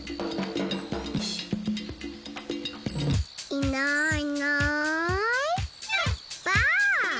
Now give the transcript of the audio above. いないいないばあっ！